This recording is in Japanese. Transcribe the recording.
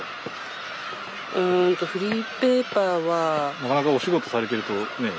なかなかお仕事されてるとね。